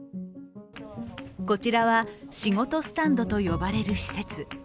こちらは、しごとスタンドと呼ばれる施設。